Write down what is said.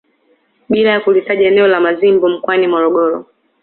Bila ya kulitaja eneo la Mazimbu mkoani Morogoro